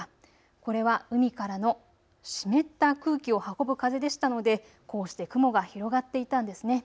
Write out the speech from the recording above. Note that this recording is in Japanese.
これは海からの湿った空気を運ぶ風でしたのでこうして雲が広がっていたんですね。